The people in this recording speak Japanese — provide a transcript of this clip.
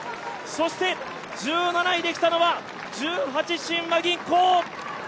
そして１７位で来たのは十八親和銀行。